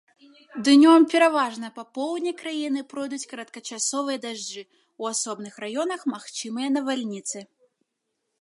Днём пераважна па поўдні краіны пройдуць кароткачасовыя дажджы, у асобных раёнах магчымыя навальніцы.